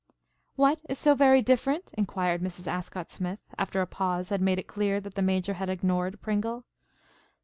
"What is so very different?" inquired Mrs. Ascott Smith, after a pause had made it clear that the Major had ignored Pringle.